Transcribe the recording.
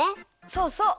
そうそう！